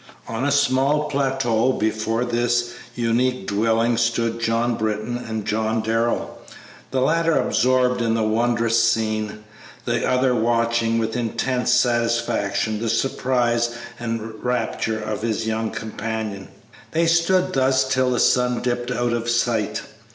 On a small plateau before this unique dwelling stood John Britton and John Darrell, the latter absorbed in the wondrous scene, the other watching with intense satisfaction the surprise and rapture of his young companion. They stood thus till the sun dipped out of sight.